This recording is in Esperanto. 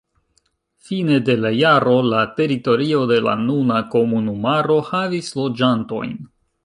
Fine de la jaro la teritorio de la nuna komunumaro havis loĝantojn.